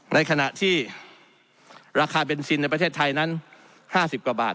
ในขณะที่ราคาเบนซินในประเทศไทยนั้น๕๐กว่าบาท